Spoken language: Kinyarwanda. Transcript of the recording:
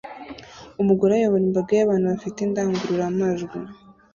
Umugore ayobora imbaga y'abantu bafite indangururamajwi